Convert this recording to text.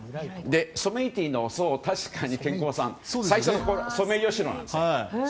ソメイティの最初は確かにケンコバさんソメイヨシノなんです。